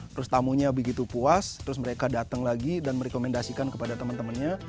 terus tamunya begitu puas terus mereka datang lagi dan merekomendasikan kepada teman temannya